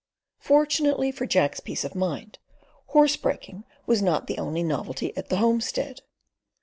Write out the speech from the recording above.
Fortunately for Jack's peace of mind, horse breaking was not the only novelty at the homestead.